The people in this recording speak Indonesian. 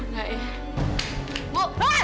denger gak ya